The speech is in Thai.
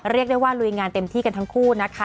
เรียกได้ว่าลุยงานเต็มที่กันทั้งคู่นะคะ